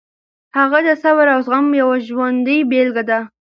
هغه د صبر او زغم یوه ژوندۍ بېلګه ده.